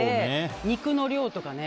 肉の量とかね。